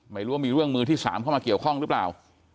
ไม่รู้ว่ามีเรื่องมือที่๓เข้ามาเกี่ยวข้องหรือเปล่า